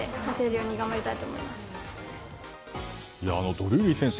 ドルーリー選手